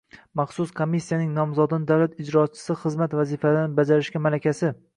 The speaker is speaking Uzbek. maxsus komissiyaning nomzodni davlat ijrochisi xizmat vazifalarini bajarishga malakasi